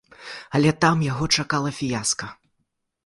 Але там яго чакала фіяска.